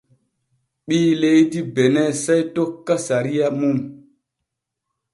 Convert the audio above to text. Ɓii leydi Bene sey tokka sariya mum.